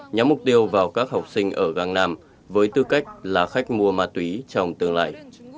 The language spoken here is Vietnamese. nhắm mục tiêu vào các học sinh ở gang nam với tư cách là khách mua ma túy trong tương lai